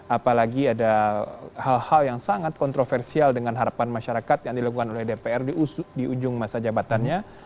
apalagi ada hal hal yang sangat kontroversial dengan harapan masyarakat yang dilakukan oleh dpr di ujung masa jabatannya